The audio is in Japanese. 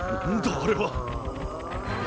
あれは。